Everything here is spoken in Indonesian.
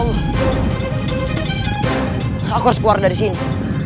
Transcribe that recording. aku harus keluar dari sini